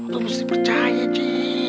lu mesti percaya ji